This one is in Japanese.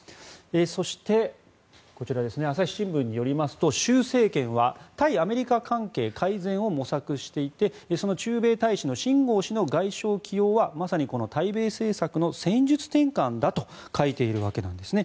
そして、朝日新聞によりますと習政権は対アメリカ関係改善を模索していて、その駐米大使のシン・ゴウ氏の外相起用はまさに対米政策の戦術転換だと書いているわけなんですね。